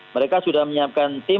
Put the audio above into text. mereka sudah menyiapkan tim